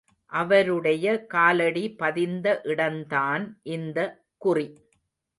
அவருடைய காலடி பதிந்த இடந்தான் இந்த குறி.